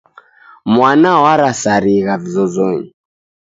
Mwana warasarigha vizozonyi.